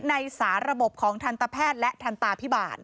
ในสาระบบของทันตแพทย์และทันตาพิบาล